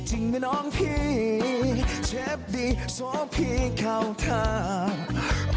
จริงนะน้องพี่เชฟดีโซพี่เข้าถ้า